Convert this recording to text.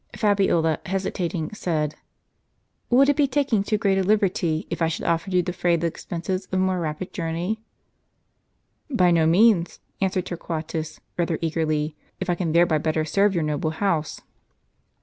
Fabiola, hesitating, said: "Would it be taking too great a liberty, if I should offer to defray the expenses of a more rapid journey ?" "By no means," answered Torquatus, rather eagerly, "if I can thereby better serve your noble house."